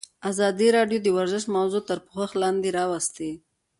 ازادي راډیو د ورزش موضوع تر پوښښ لاندې راوستې.